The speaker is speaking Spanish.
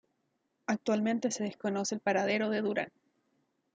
Actualmente se desconoce el paradero de Duran.